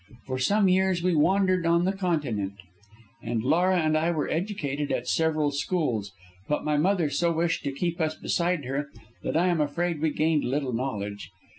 For some years we wandered on the Continent, and Laura and I were educated at several schools, but my mother so wished to keep us beside her, that I am afraid we gained little knowledge.